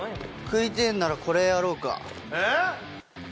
食いてえんなら、これやろうか？